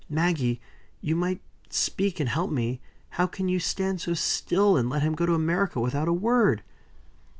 Maggie! you might speak and help me how can you stand so still, and let him go to America without a word!"